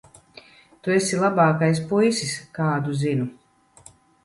Tu esi labākais puisis, kādu zinu.